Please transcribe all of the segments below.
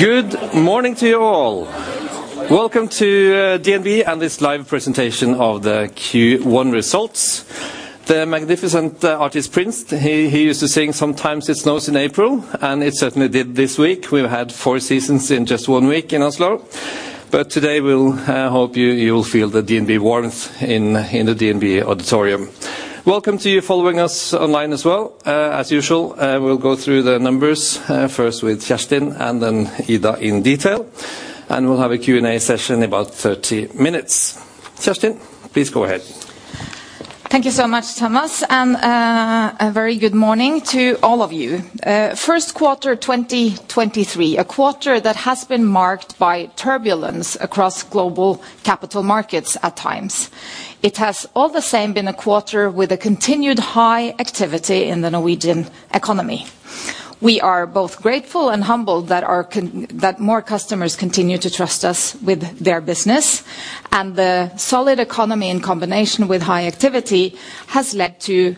Good morning to you all. Welcome to DNB and this live presentation of the Q1 results. The magnificent artist Prince, he used to sing Sometimes It Snows in April, and it certainly did this week. We've had four seasons in just one week in Oslo. Today we'll hope you'll feel the DNB warmth in the DNB auditorium. Welcome to you following us online as well. As usual, we'll go through the numbers first with Kjerstin and then Ida in detail, and we'll have a Q&A session in about 30 minutes. Kjerstin, please go ahead. Thank you so much, Thomas, a very good morning to all of you. Q1 of 2023, a quarter that has been marked by turbulence across global capital markets at times. It has all the same been a quarter with a continued high activity in the Norwegian economy. We are both grateful and humbled that more customers continue to trust us with their business, the solid economy in combination with high activity has led to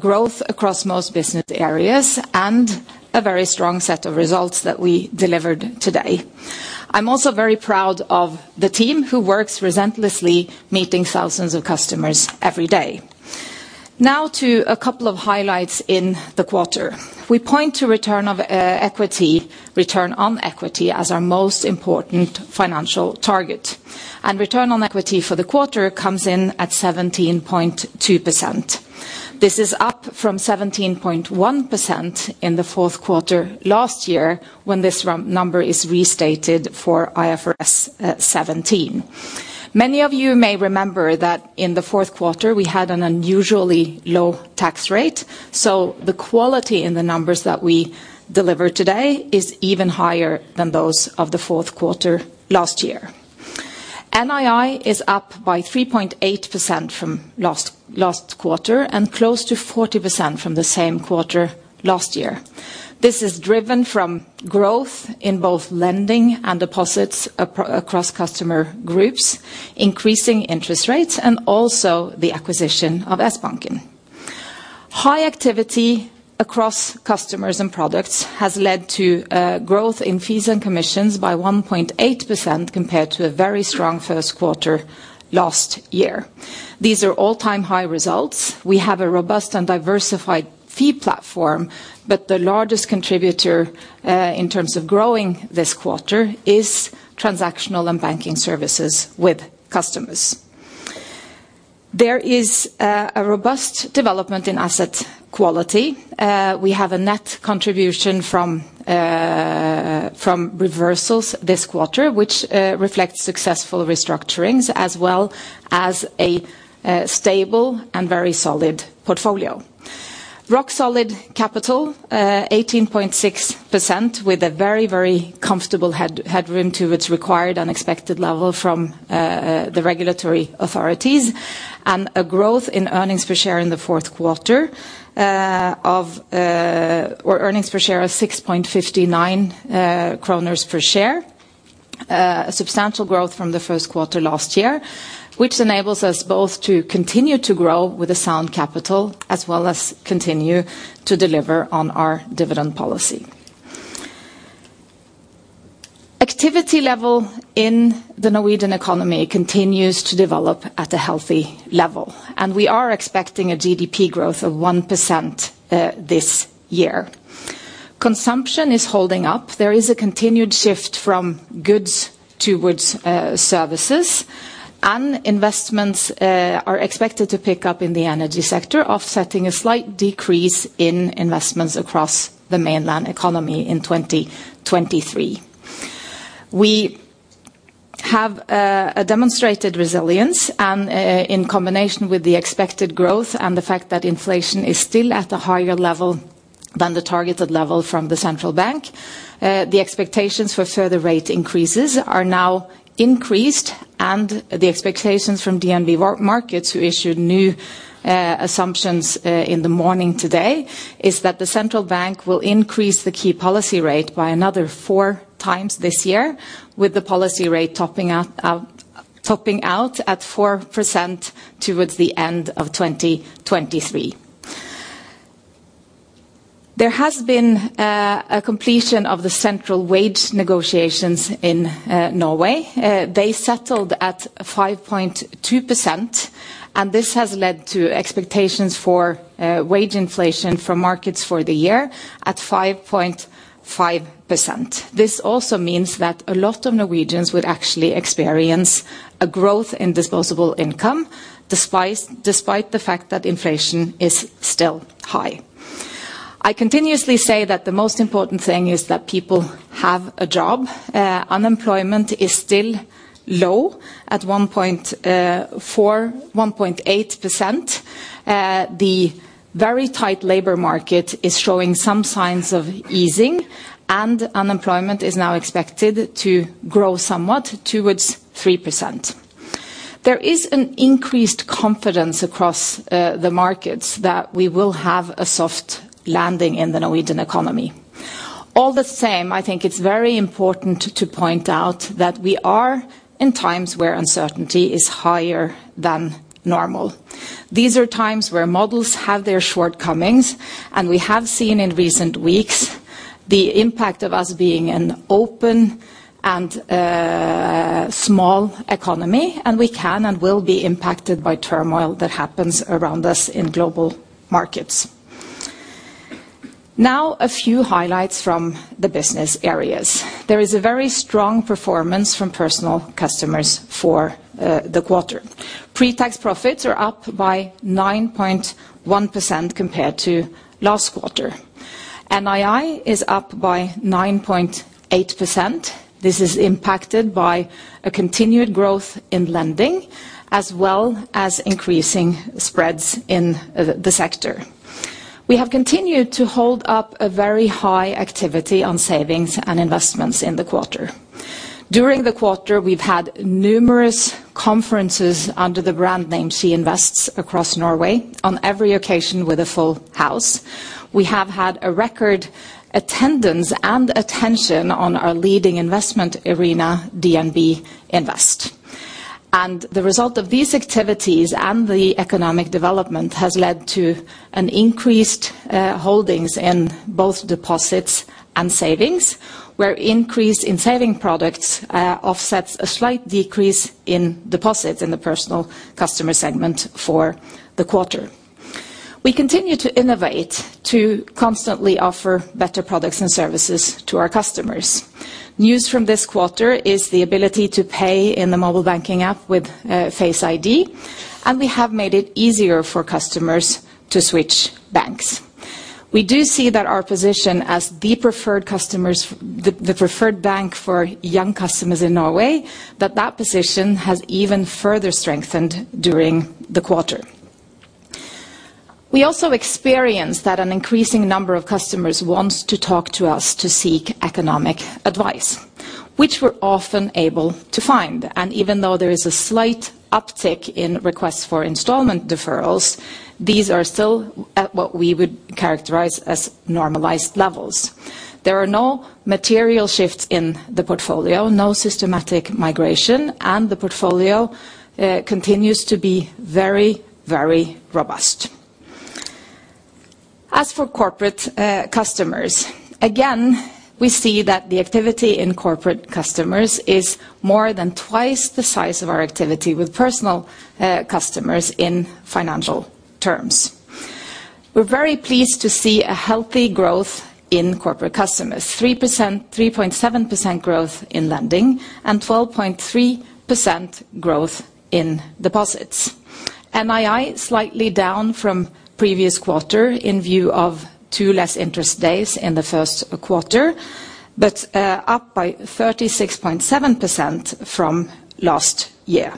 growth across most business areas and a very strong set of results that we delivered today. I'm also very proud of the team who works relentlessly meeting thousands of customers every day. Now to a couple of highlights in the quarter. We point to return on equity as our most important financial target, and return on equity for the quarter comes in at 17.2%. This is up from 17.1% in the Q4 last year when this number is restated for IFRS 17. Many of you may remember that in the Q4 we had an unusually low tax rate, the quality in the numbers that we deliver today is even higher than those of the Q4 last year. NII is up by 3.8% from last quarter and close to 40% from the same quarter last year. This is driven from growth in both lending and deposits across customer groups, increasing interest rates, and also the acquisition of Sbanken. High activity across customers and products has led to growth in fees and commissions by 1.8% compared to a very strong Q1 last year. These are all-time high results. We have a robust and diversified fee platform, the largest contributor in terms of growing this quarter is transactional and banking services with customers. There is a robust development in asset quality. We have a net contribution from reversals this quarter, which reflects successful restructurings as well as a stable and very solid portfolio. Rock-solid capital, 18.6% with a very comfortable headroom to its required unexpected level from the regulatory authorities, and a growth in earnings per share in the Q4, or earnings per share of 6.59 kroner per share. A substantial growth from the Q1 last year, which enables us both to continue to grow with the sound capital as well as continue to deliver on our dividend policy. Activity level in the Norwegian economy continues to develop at a healthy level, and we are expecting a GDP growth of 1% this year. Consumption is holding up. There is a continued shift from goods towards services. Investments are expected to pick up in the energy sector, offsetting a slight decrease in investments across the mainland economy in 2023. We have a demonstrated resilience and in combination with the expected growth and the fact that inflation is still at a higher level than the targeted level from the central bank, the expectations for further rate increases are now increased. The expectations from DNB Markets, who issued new assumptions in the morning today, is that the central bank will increase the key policy rate by another four times this year, with the policy rate topping out at 4% towards the end of 2023. There has been a completion of the central wage negotiations in Norway. They settled at 5.2%, and this has led to expectations for wage inflation from markets for the year at 5.5%. This also means that a lot of Norwegians would actually experience a growth in disposable income, despite the fact that inflation is still high. I continuously say that the most important thing is that people have a job. Unemployment is still low at 1.8%. The very tight labor market is showing some signs of easing, and unemployment is now expected to grow somewhat towards 3%. There is an increased confidence across the markets that we will have a soft landing in the Norwegian economy. All the same, I think it's very important to point out that we are in times where uncertainty is higher than normal. These are times where models have their shortcomings, and we have seen in recent weeks the impact of us being an open and small economy, and we can and will be impacted by turmoil that happens around us in global markets. A few highlights from the business areas. There is a very strong performance from personal customers for the quarter. Pre-tax profits are up by 9.1% compared to last quarter. NII is up by 9.8%. This is impacted by a continued growth in lending, as well as increasing spreads in the sector. We have continued to hold up a very high activity on savings and investments in the quarter. During the quarter, we've had numerous conferences under the brand name SHE Invests across Norway on every occasion with a full house. We have had a record attendance and attention on our leading investment arena, DNB Invest. The result of these activities and the economic development has led to an increased holdings in both deposits and savings, where increase in saving products offsets a slight decrease in deposits in the personal customer segment for the quarter. We continue to innovate to constantly offer better products and services to our customers. News from this quarter is the ability to pay in the mobile banking app with Face ID, and we have made it easier for customers to switch banks. We do see that our position as the preferred bank for young customers in Norway, that that position has even further strengthened during the quarter. We also experienced that an increasing number of customers wants to talk to us to seek economic advice, which we're often able to find. Even though there is a slight uptick in requests for instalment deferrals, these are still at what we would characterise as normalised levels. There are no material shifts in the portfolio, no systematic migration, and the portfolio continues to be very, very robust. As for corporate customers, again, we see that the activity in corporate customers is more than twice the size of our activity with personal customers in financial terms. We're very pleased to see a healthy growth in corporate customers. 3%, 3.7% growth in lending and 12.3% growth in deposits. NII slightly down from previous quarter in view of two less interest days in the Q1, but up by 36.7% from last year.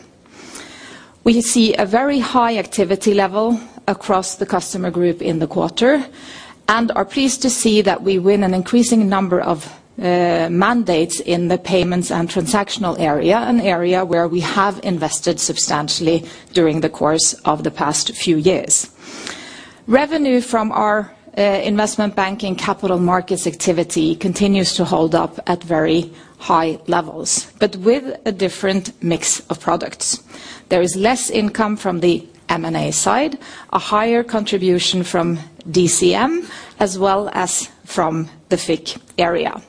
We see a very high activity level across the customer group in the quarter and are pleased to see that we win an increasing number of mandates in the payments and transactional area, an area where we have invested substantially during the course of the past few years. Revenue from our investment banking capital markets activity continues to hold up at very high levels, but with a different mix of products. There is less income from the M&A side, a higher contribution from DCM, as well as from the FIC area.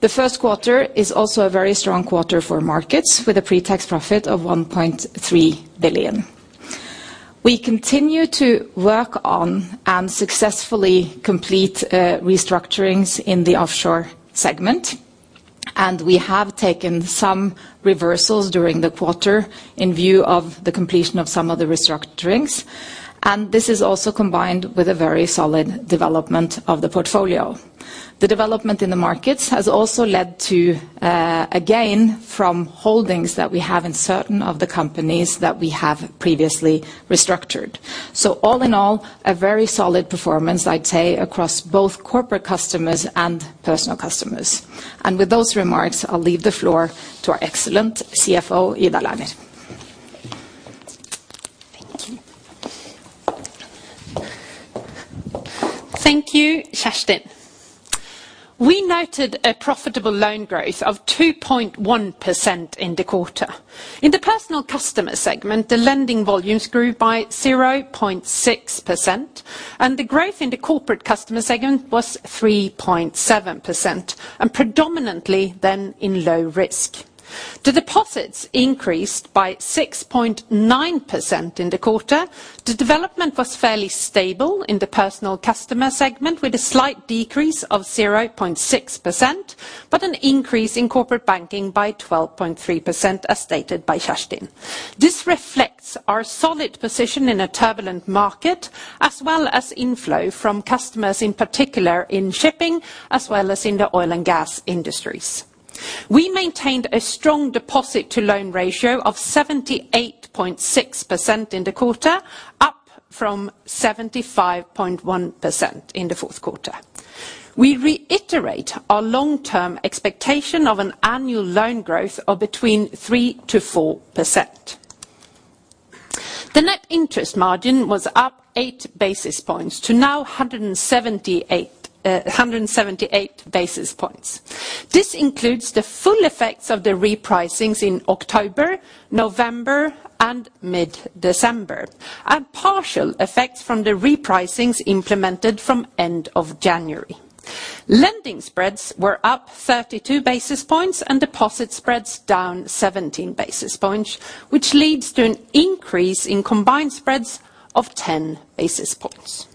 The Q1 is also a very strong quarter for markets, with a pretax profit of 1.3 billion. We continue to work on and successfully complete restructurings in the offshore segment, and we have taken some reversals during the quarter in view of the completion of some of the restructurings. This is also combined with a very solid development of the portfolio. The development in the markets has also led to a gain from holdings that we have in certain of the companies that we have previously restructured. All in all, a very solid performance, I'd say, across both corporate customers and personal customers. With those remarks, I'll leave the floor to our excellent CFO, Ida Lerner. Thank you. Thank you, Kjerstin. We noted a profitable loan growth of 2.1% in the quarter. In the personal customer segment, the lending volumes grew by 0.6%, and the growth in the corporate customer segment was 3.7%, and predominantly then in low risk. The deposits increased by 6.9% in the quarter. The development was fairly stable in the personal customer segment, with a slight decrease of 0.6%, but an increase in corporate banking by 12.3%, as stated by Kjerstin. This reflects our solid position in a turbulent market, as well as inflow from customers, in particular in shipping, as well as in the oil and gas industries. We maintained a strong deposit-to-loan ratio of 78.6% in the quarter, up from 75.1% in the Q4. We reiterate our long-term expectation of an annual loan growth of between 3% to 4%. The net interest margin was up 8 basis points to now 178 basis points. This includes the full effects of the repricing in October, November, and mid-December, and partial effects from the repricing implemented from end of January. Lending spreads were up 32 basis points and deposit spreads down 17 basis points, which leads to an increase in combined spreads of 10 basis points.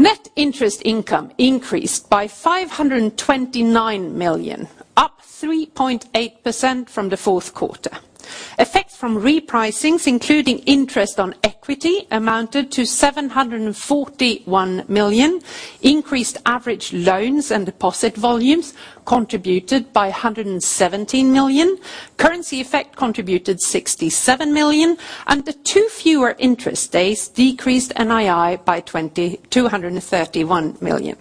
Net interest income increased by 529 million, up 3.8% from the Q4. Effects from repricings, including interest on equity, amounted to 741 million. Increased average loans and deposit volumes contributed by 117 million. Currency effect contributed 67 million, and the two fewer interest days decreased NII by 2,231 million.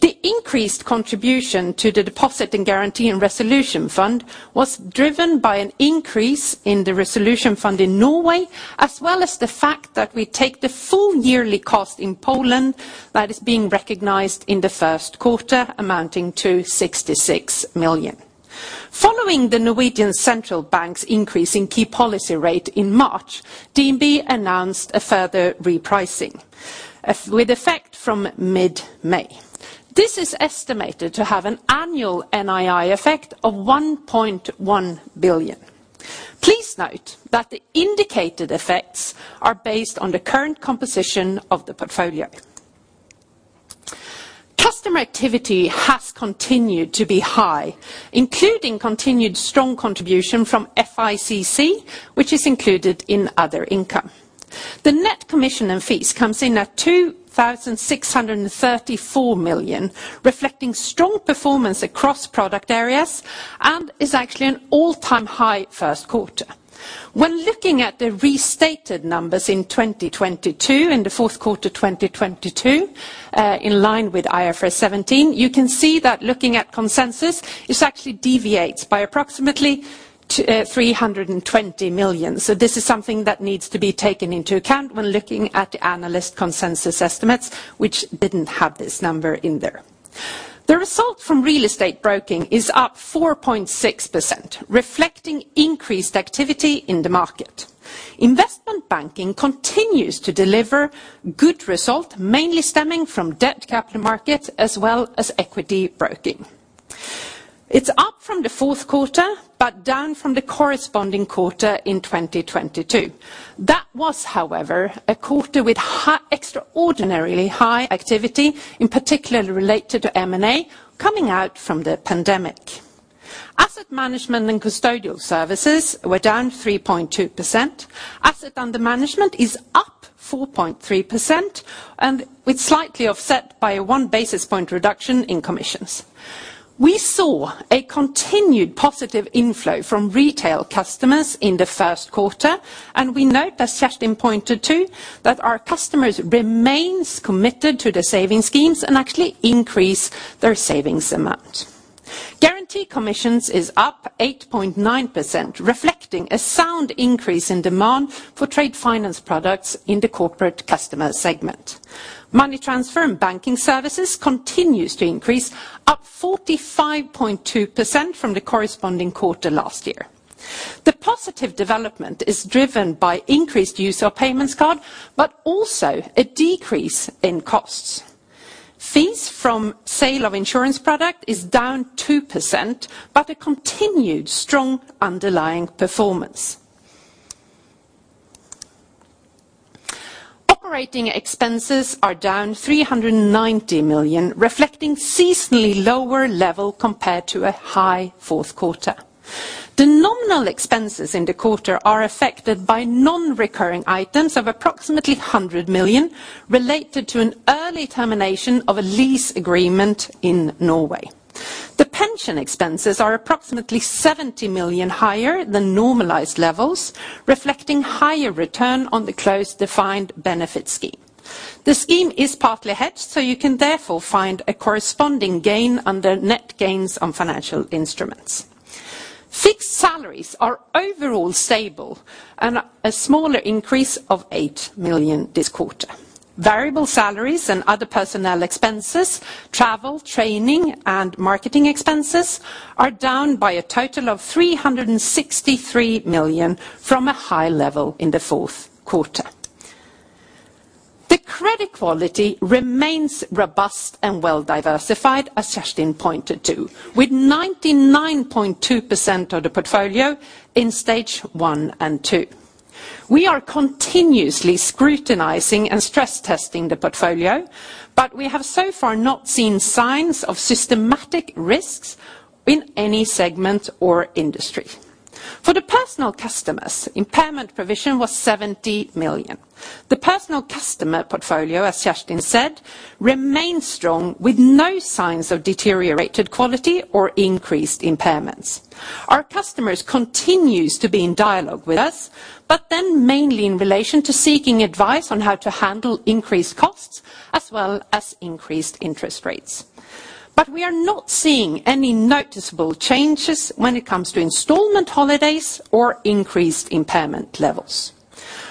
The increased contribution to the Deposit Guarantee and Resolution Fund was driven by an increase in the resolution fund in Norway, as well as the fact that we take the full yearly cost in Poland that is being recognised in the Q1, amounting to 66 million. Following the Norwegian central bank's increase in key policy rate in March, DNB announced a further repricing with effect from mid-May. This is estimated to have an annual NII effect of 1.1 billion. Please note that the indicated effects are based on the current composition of the portfolio. Customer activity has continued to be high, including continued strong contribution from FICC, which is included in other income. The net commission and fees comes in at 2,634 million, reflecting strong performance across product areas and is actually an all-time high Q1. When looking at the restated numbers in 2022, in the Q4, 2022, in line with IFRS 17, you can see that looking at consensus, this actually deviates by approximately 320 million. This is something that needs to be taken into account when looking at the analyst consensus estimates, which didn't have this number in there. The result from real estate broking is up 4.6%, reflecting increased activity in the market. Investment banking continues to deliver good result, mainly stemming from debt capital markets as well as equity broking. It's up from the Q4, but down from the corresponding quarter in 2022. That was, however, a quarter with extraordinarily high activity, in particular related to M&A, coming out from the pandemic. Asset management and custodial services were down 3.2%. Asset under management is up 4.3% with slightly offset by a 1 basis point reduction in commissions. We saw a continued positive inflow from retail customers in the Q1, we note, as Kjerstin pointed to, that our customers remains committed to the saving schemes and actually increase their savings amount. Guarantee commissions is up 8.9%, reflecting a sound increase in demand for trade finance products in the corporate customer segment. Money transfer and banking services continues to increase, up 45.2% from the corresponding quarter last year. The positive development is driven by increased use of payments card, also a decrease in costs. Fees from sale of insurance product is down 2%, but a continued strong underlying performance. Operating expenses are down 390 million, reflecting seasonally lower level compared to a high Q4. The nominal expenses in the quarter are affected by non-recurring items of approximately 100 million related to an early termination of a lease agreement in Norway. The pension expenses are approximately 70 million higher than normalized levels, reflecting higher return on the closed defined benefit scheme. The scheme is partly hedged, so you can therefore find a corresponding gain under net gains on financial instruments. Fixed salaries are overall stable and a smaller increase of 8 million this quarter. Variable salaries and other personnel expenses, travel, training, and marketing expenses are down by a total of 363 million from a high level in the Q4. The credit quality remains robust and well diversified, as Kjerstin pointed to, with 99.2% of the portfolio in Stage 1 and 2. We are continuously scrutinising and stress testing the portfolio, but we have so far not seen signs of systematic risks in any segment or industry. For the personal customers, impairment provision was 70 million. The personal customer portfolio, as Kjerstin said, remains strong with no signs of deteriorated quality or increased impairments. Our customers continues to be in dialogue with us, but then mainly in relation to seeking advice on how to handle increased costs as well as increased interest rates. We are not seeing any noticeable changes when it comes to instalment holidays or increased impairment levels.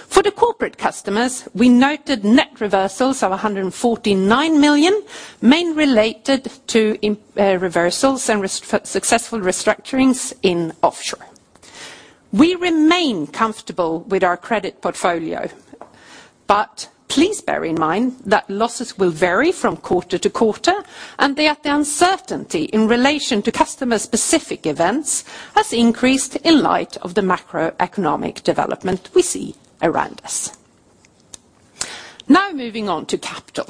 For the corporate customers, we noted net reversals of 149 million, main related to reversals and successful restructurings in offshore. We remain comfortable with our credit portfolio. Please bear in mind that losses will vary from quarter to quarter and that the uncertainty in relation to customer-specific events has increased in light of the macroeconomic development we see around us. Moving on to capital.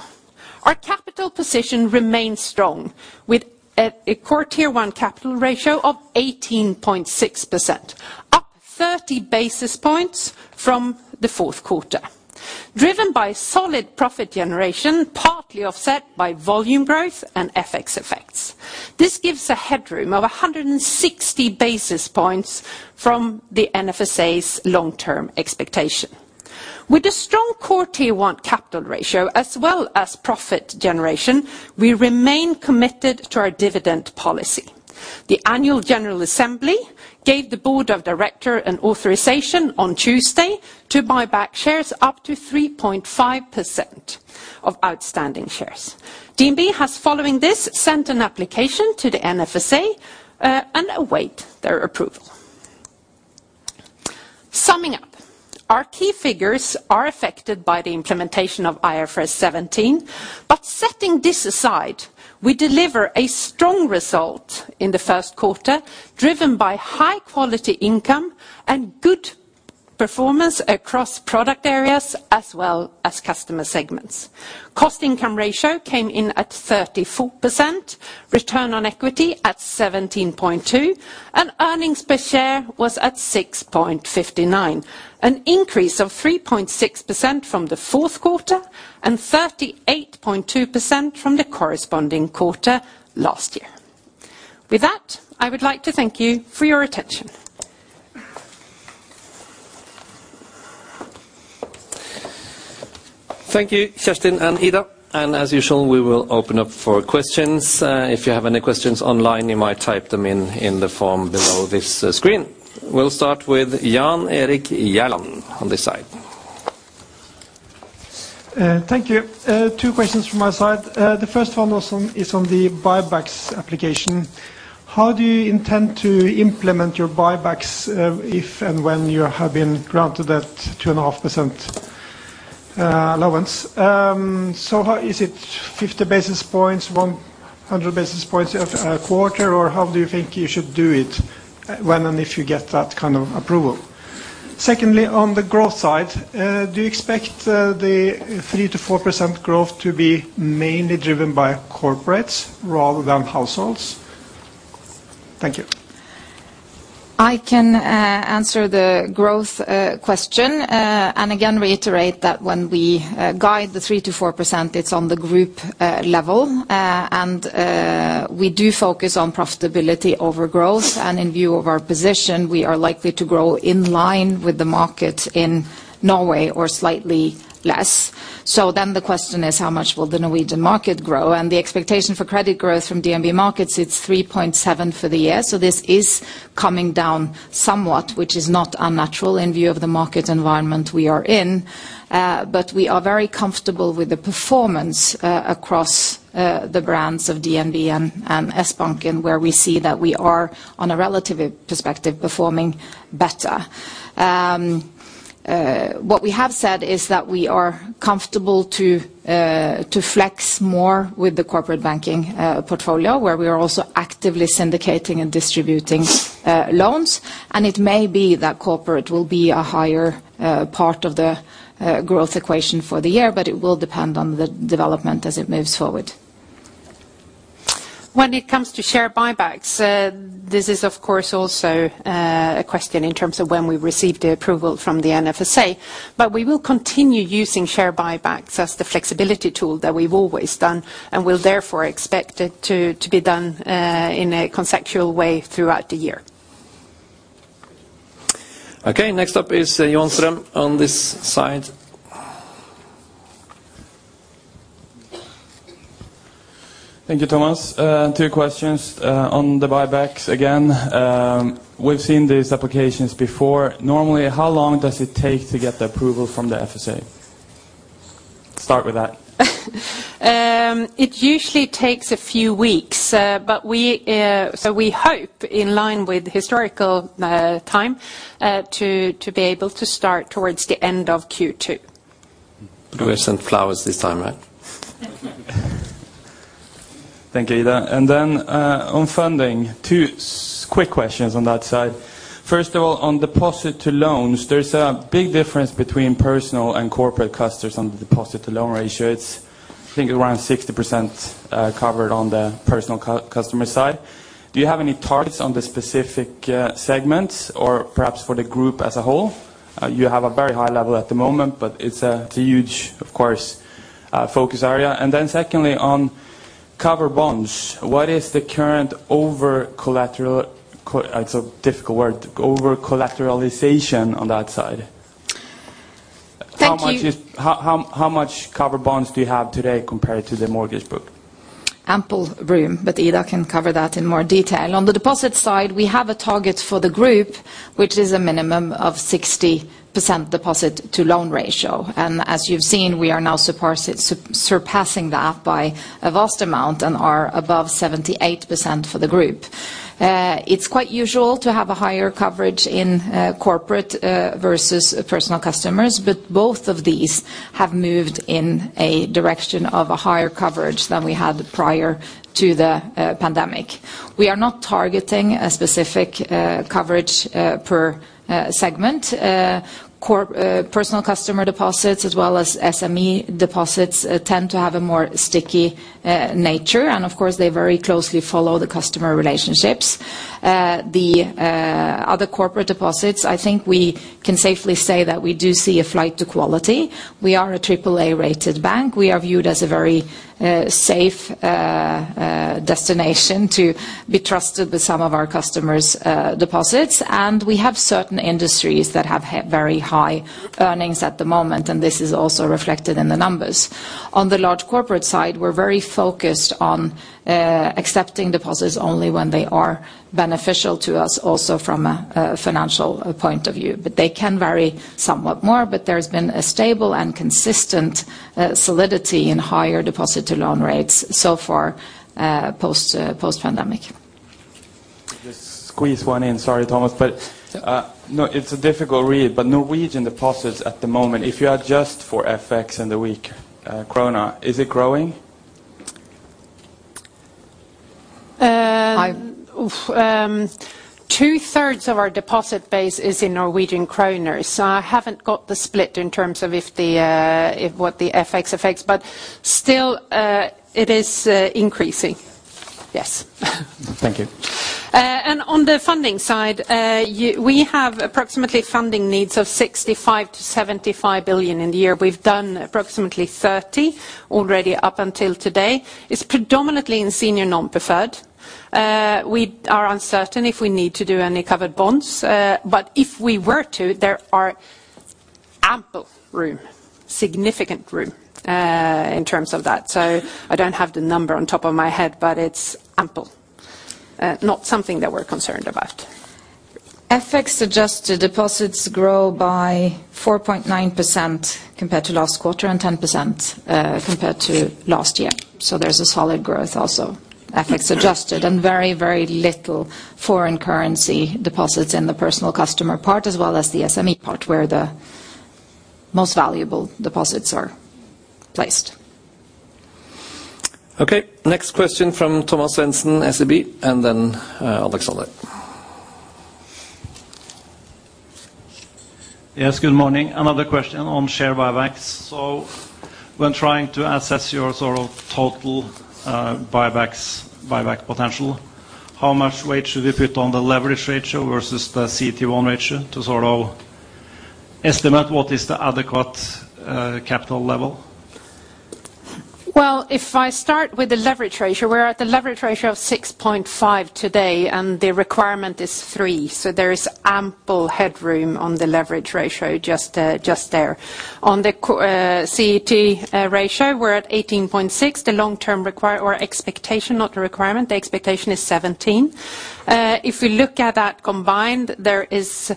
Our capital position remains strong with a Core Tier 1 capital ratio of 18.6%, up 30 basis points from the Q4, driven by solid profit generation, partly offset by volume growth and FX effects. This gives a headroom of 160 basis points from the NFSA's long-term expectation. With a strong Core Tier 1 capital ratio as well as profit generation, we remain committed to our dividend policy. The Annual General Assembly gave the board of directors an authorisation on Tuesday to buy back shares up to 3.5% of outstanding shares. DNB has, following this, sent an application to the NFSA and await their approval. Summing up, our key figures are affected by the implementation of IFRS 17, setting this aside, we deliver a strong result in the Q1, driven by high-quality income and good performance across product areas as well as customer segments. Cost income ratio came in at 34%, return on equity at 17.2%, and earnings per share was at 6.59, an increase of 3.6% from the Q4 and 38.2% from the corresponding quarter last year. With that, I would like to thank you for your attention. Thank you, Kjerstin and Ida. As usual, we will open up for questions. If you have any questions online, you might type them in in the form below this screen. We'll start with Jan Erik Gjerland on this side. Thank you. Two questions from my side. The first one is on the buybacks application. How do you intend to implement your buybacks if and when you have been granted that 2.5% allowance? How... Is it 50 basis points, 100 basis points a quarter, or how do you think you should do it when and if you get that kind of approval? Secondly, on the growth side, do you expect the 3% to 4% growth to be mainly driven by corporates rather than households? Thank you. I can answer the growth question and again reiterate that when we guide the 3% to 4%, it's on the group level. We do focus on profitability over growth, and in view of our position, we are likely to grow in line with the market in Norway or slightly less. The question is how much will the Norwegian market grow? The expectation for credit growth from DNB Markets, it's 3.7% for the year. This is coming down somewhat, which is not unnatural in view of the market environment we are in. We are very comfortable with the performance across the brands of DNB and Sbanken, where we see that we are, on a relative perspective, performing better. What we have said is that we are comfortable to flex more with the corporate banking portfolio, where we are also actively syndicating and distributing loans. It may be that corporate will be a higher part of the growth equation for the year, but it will depend on the development as it moves forward. When it comes to share buybacks, this is of course also, a question in terms of when we receive the approval from the NFSA. We will continue using share buybacks as the flexibility tool that we've always done and will therefore expect it to be done, in a conceptual way throughout the year. Okay, next up is Johan Strøm on this side. Thank you, Thomas. two questions on the buybacks again. we've seen these applications before. Normally, how long does it take to get the approval from the FSA? Start with that. It usually takes a few weeks. We hope, in line with historical time, to be able to start towards the end of Q2. We'll send flowers this time, right? Thank you, Ida. On funding, two quick questions on that side. First of all, on deposit to loans, there's a big difference between personal and corporate customers on the deposit-to-loan ratio. It's I think around 60% covered on the personal customer side. Do you have any targets on the specific segments or perhaps for the group as a whole? You have a very high level at the moment, but it's a huge, of course, focus area. Secondly, on covered bonds, what is the current over-collateral... It's a difficult word. Over-collateralization on that side. Thank you. How much covered bonds do you have today compared to the mortgage book? Ample room, but Ida can cover that in more detail. On the deposit side, we have a target for the group, which is a minimum of 60% deposit-to-loan ratio. As you've seen, we are now surpassing that by a vast amount and are above 78% for the group. It's quite usual to have a higher coverage in corporate versus personal customers, but both of these have moved in a direction of a higher coverage than we had prior to the pandemic. We are not targeting a specific coverage per segment. Personal customer deposits as well as SME deposits tend to have a more sticky nature. Of course, they very closely follow the customer relationships. The other corporate deposits, I think we can safely say that we do see a flight to quality. We are a triple-A rated bank. We are viewed as a very safe destination to be trusted with some of our customers' deposits. We have certain industries that have very high earnings at the moment, and this is also reflected in the numbers. On the large corporate side, we're very focused on accepting deposits only when they are beneficial to us also from a financial point of view. They can vary somewhat more, there's been a stable and consistent solidity in higher deposit-to-loan rates so far, post-pandemic. Just squeeze one in. Sorry, Thomas. No, it's a difficult read, but Norwegian deposits at the moment, if you adjust for FX in the weak, krona, is it growing? Two-thirds of our deposit base is in Norwegian kronas. I haven't got the split in terms of if what the FX affects, but still, it is increasing. Yes. Thank you. On the funding side, we have approximately funding needs of 65 billion-75 billion in the year. We've done approximately 30 billion already up until today. It's predominantly in senior non-preferred. We are uncertain if we need to do any covered bonds. If we were to, there are ample room, significant room in terms of that. I don't have the number on top of my head, but it's ample. Not something that we're concerned about. FX-adjusted deposits grow by 4.9% compared to last quarter and 10% compared to last year. There's a solid growth also, FX-adjusted, and very little foreign currency deposits in the personal customer part as well as the SME part, where the most valuable deposits are placed. Okay, next question from Thomas Svendsen, SEB, and then Alexander. Yes, good morning. Another question on share buybacks. When trying to assess your sort of total buybacks, buyback potential, how much weight should we put on the leverage ratio versus the CET1 ratio to sort of estimate what is the adequate capital level? Well, if I start with the leverage ratio, we're at the leverage ratio of 6.5 today. The requirement is 3. There is ample headroom on the leverage ratio just there. On the CET ratio, we're at 18.6. The long-term expectation, not the requirement, the expectation is 17. If we look at that combined, there is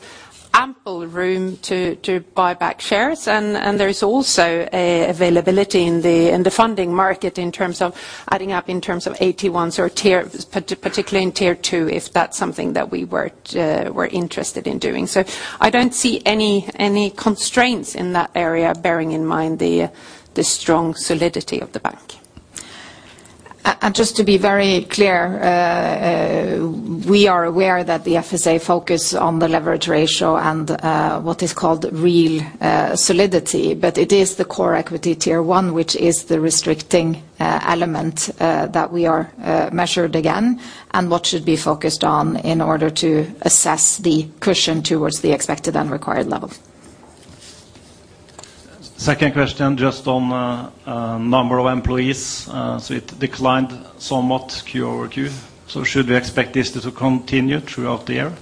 ample room to buy back shares. There is also a availability in the funding market in terms of adding up in terms of AT1s or particularly in Tier 2, if that's something that we were interested in doing. I don't see any constraints in that area, bearing in mind the strong solidity of the bank. Just to be very clear, we are aware that the FSA focus on the leverage ratio and what is called real solidity. It is the Core Equity Tier 1 which is the restricting element that we are measured again and what should be focused on in order to assess the cushion towards the expected and required level. Second question, just on, number of employees. It declined somewhat Q over Q. Should we expect this to continue throughout the year?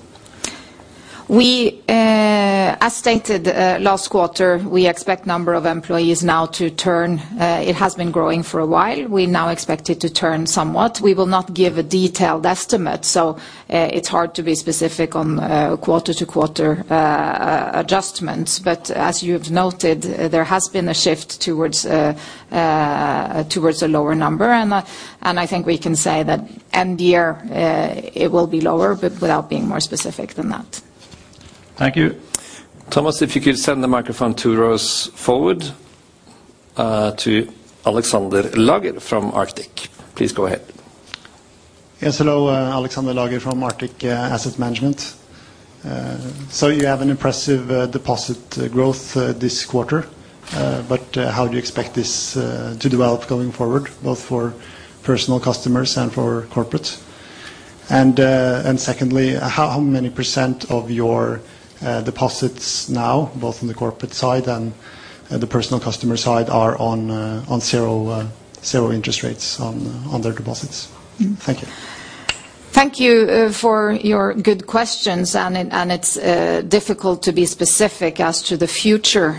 We, as stated, last quarter, we expect number of employees now to turn. It has been growing for a while. We now expect it to turn somewhat. We will not give a detailed estimate. It's hard to be specific on quarter-to-quarter adjustments. As you've noted, there has been a shift towards a lower number. I think we can say that end year, it will be lower, but without being more specific than that. Thank you. Thomas, if you could send the microphone two rows forward, to Alexander Lager from Arctic. Please go ahead. Yes, hello. Alexander Lager from Arctic Asset Management. You have an impressive deposit growth this quarter. How do you expect this to develop going forward, both for personal customers and for corporate? Secondly, how many % of your deposits now, both on the corporate side and the personal customer side, are on zero interest rates on their deposits? Thank you. Thank you for your good questions. It's difficult to be specific as to the future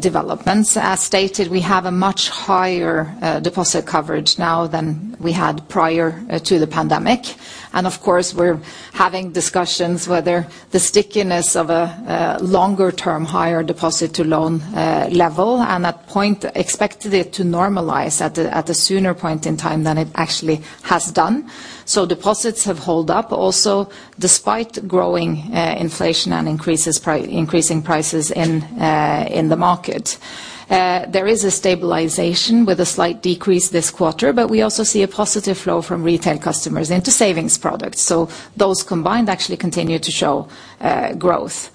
developments. As stated, we have a much higher deposit coverage now than we had prior to the pandemic. Of course, we're having discussions whether the stickiness of a longer term higher deposit to loan level and at point expected it to normalize at the sooner point in time than it actually has done. Deposits have held up also despite growing inflation and increasing prices in the market. There is a stabilization with a slight decrease this quarter, but we also see a positive flow from retail customers into savings products. Those combined actually continue to show growth.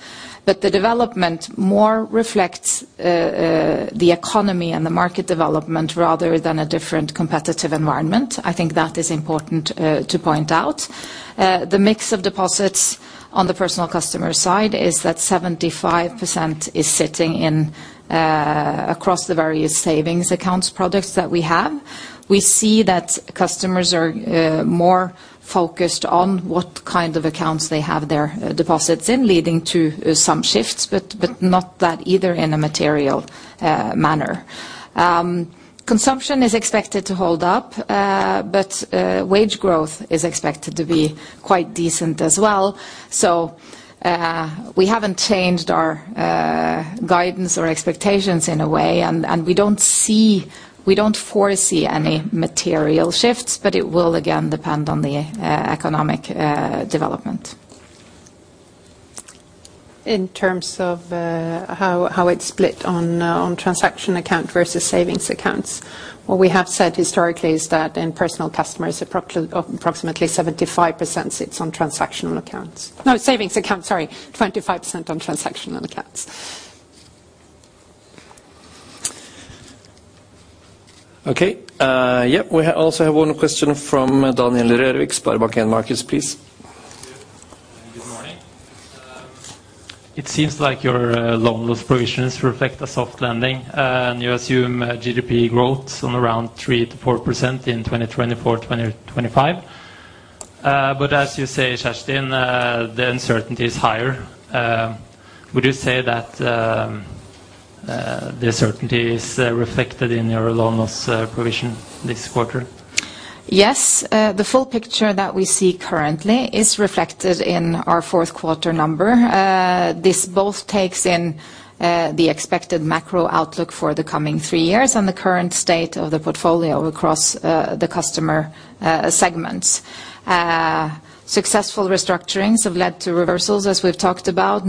The development more reflects the economy and the market development rather than a different competitive environment. I think that is important to point out. The mix of deposits on the personal customer side is that 75% is sitting in across the various savings accounts products that we have. We see that customers are more focused on what kind of accounts they have their deposits in, leading to some shifts, but not that either in a material manner. Consumption is expected to hold up, but wage growth is expected to be quite decent as well. We haven't changed our guidance or expectations in a way, and we don't foresee any material shifts, but it will again depend on the economic development.In terms of, how it's split on transaction account versus savings accounts. What we have said historically is that in personal customers approximately 75% sits on transactional accounts. No, savings accounts, sorry. 25% on transactional accounts. Okay. yep, we also have one question from Daniel Røvik, SpareBank 1 Markets, please. Thank you. Good morning. It seems like your loan loss provisions reflect a soft landing, and you assume GDP growth on around 34% in 2024, 2025. As you say, Kjerstin, the uncertainty is higher. Would you say that the uncertainty is reflected in your loan loss provision this quarter? The full picture that we see currently is reflected in our Q4 number. This both takes in the expected macro outlook for the coming 3 years and the current state of the portfolio across the customer segments. Successful restructurings have led to reversals, as we've talked about.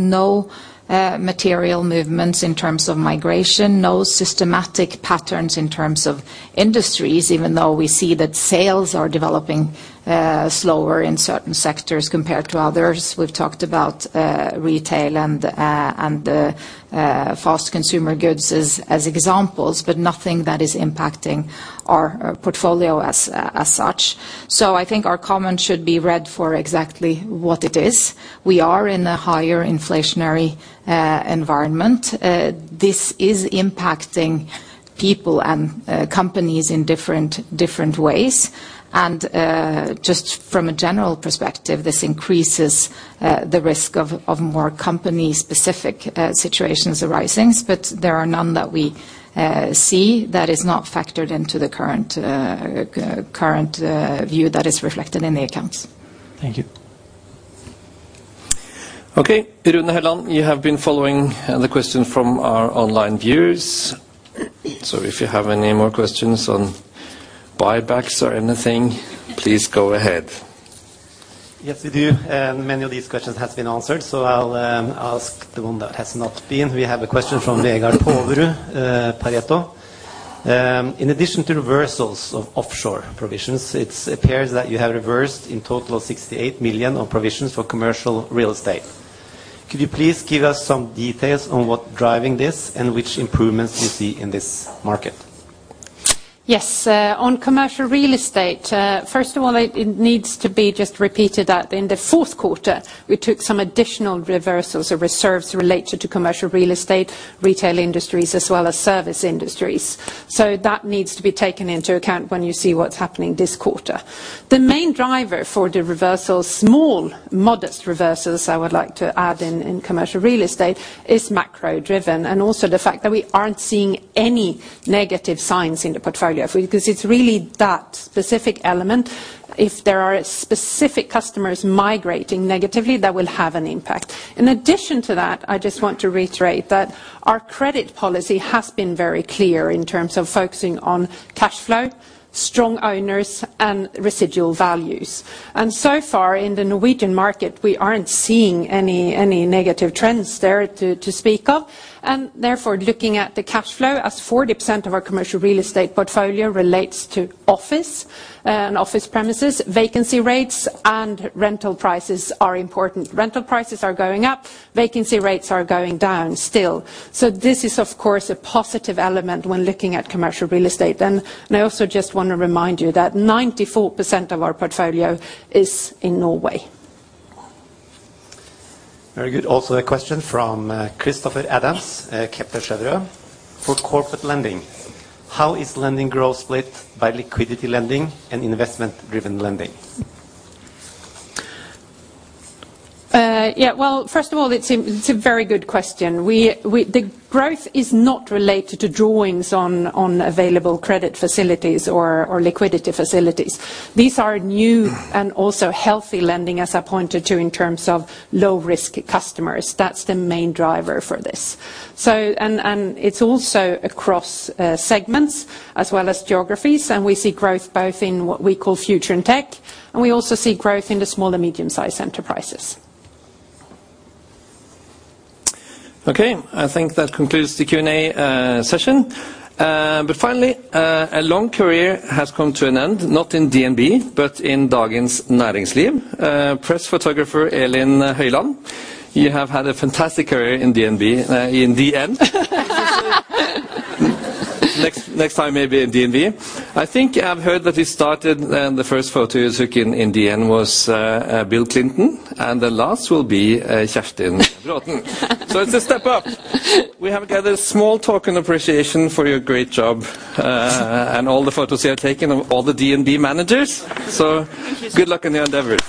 Material movements in terms of migration, no systematic patterns in terms of industries, even though we see that sales are developing slower in certain sectors compared to others. We've talked about retail and fast consumer goods as examples, but nothing that is impacting our portfolio as such. I think our comment should be read for exactly what it is. We are in a higher inflationary environment. This is impacting people and companies in different ways. Just from a general perspective, this increases the risk of more company-specific situations arising, but there are none that we see that is not factored into the current view that is reflected in the accounts. Thank you. Okay. Rune Helland, you have been following the question from our online viewers. If you have any more questions on buybacks or anything, please go ahead. Yes, we do. Many of these questions has been answered. I'll ask the one that has not been. We have a question from Vegard Toverud, Pareto Securities. In addition to reversals of offshore provisions, it appears that you have reversed in total 68 million on provisions for commercial real estate. Could you please give us some details on what driving this and which improvements you see in this market? Yes. On commercial real estate, first of all, it needs to be just repeated that in the Q4, we took some additional reversals of reserves related to commercial real estate, retail industries, as well as service industries. That needs to be taken into account when you see what's happening this quarter. The main driver for the reversals, small modest reversals, I would like to add in commercial real estate, is macro-driven, and also the fact that we aren't seeing any negative signs in the portfolio. Because it's really that specific element. If there are specific customers migrating negatively, that will have an impact. In addition to that, I just want to reiterate that our credit policy has been very clear in terms of focusing on cash flow, strong owners, and residual values. So far in the Norwegian market, we aren't seeing any negative trends there to speak of. Therefore, looking at the cash flow, as 40% of our commercial real estate portfolio relates to office and office premises, vacancy rates and rental prices are important. Rental prices are going up, vacancy rates are going down still. This is, of course, a positive element when looking at commercial real estate. I also just wanna remind you that 94% of our portfolio is in Norway. Very good. A question from Christoffer Adams, Kepler Cheuvreux. For corporate lending, how is lending growth split by liquidity lending and investment-driven lending? Yeah, well, first of all, it's a very good question. The growth is not related to drawings on available credit facilities or liquidity facilities. These are new and also healthy lending, as I pointed to, in terms of low-risk customers. That's the main driver for this. It's also across segments as well as geographies. We see growth both in what we call future and tech, and we also see growth in the small and medium-sized enterprises. Okay. I think that concludes the Q&A session. Finally, a long career has come to an end, not in DNB, but in Dagens Næringsliv. Press photographer Elin Høyland, you have had a fantastic career in DNB, in DN. Next time maybe in DNB. I think I've heard that you started and the first photo you took in DN was Bill Clinton, and the last will be Kjerstin Braathen. It's a step up. We have gathered a small token appreciation for your great job and all the photos you have taken of all the DNB managers. Thank you. Good luck in your endeavors.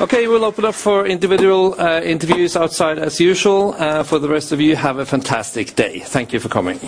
Okay, we'll open up for individual interviews outside as usual. For the rest of you, have a fantastic day. Thank you for coming.